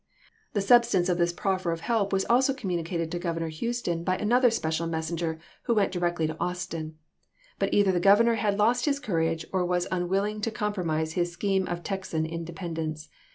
The substance of this proffer of help was also communicated to Governor Houston by another TEXAS 189 special messenger who went directly to Austin ; chap. ix. but either the Grovernor had lost his courage, or was unwilling to compromise his scheme of Texan independence.